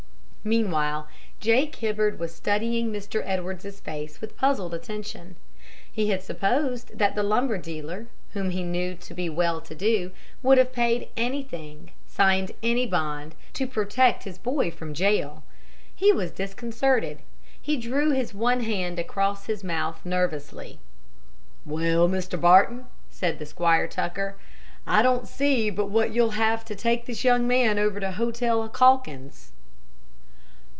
Meanwhile, Jake Hibbard was studying Mr. Edwards's face with puzzled attention. He had supposed that the lumber dealer, whom he knew to be well to do, would have paid anything, signed any bond, to protect his boy from jail. He was disconcerted. He drew his one hand across his mouth nervously. "Well, Mr. Barton," said Squire Tucker, "I don't see but what you'll have to take this young man over to Hotel Calkins."